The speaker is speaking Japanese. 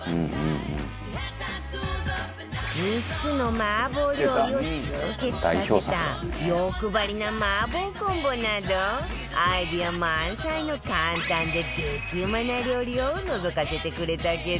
３つの麻婆料理を集結させた欲張りな麻婆コンボなどアイデア満載の簡単で激うまな料理をのぞかせてくれたけど